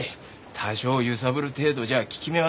多少揺さぶる程度じゃ効き目はないだろうって。